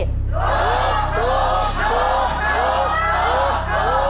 ถูกถูกถูกถูกถูก